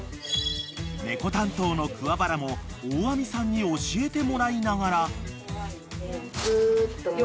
［猫担当の桑原も大網さんに教えてもらいながら］